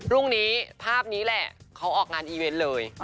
รุ่งนี้ภาพนี้แหละเขาออกงานอีเวนต์เลย